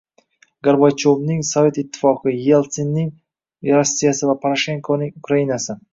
Gorbachyovning Sovet Ittifoqi, Yeltsinning Rossiyasi va Poroshenkoning Ukrainasi